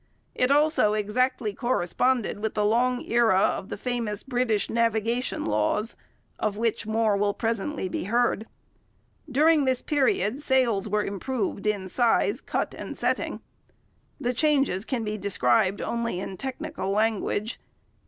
It also exactly corresponded with the long era of the famous British navigation laws, of which more will presently be heard. During this period sails were improved in size, cut, and setting. The changes can be described only in technical language.